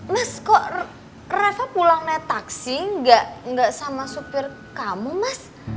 mas kok reva pulang naik taksi gak sama supir kamu mas